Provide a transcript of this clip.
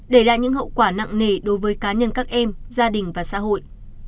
để lại những hậu quả nặng nề đối với cá nhân các em gia đình và xã hội